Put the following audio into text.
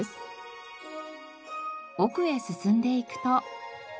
奥へ進んでいくと。